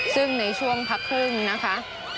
ซึ่งในช่วงพักครึ่งนะคะ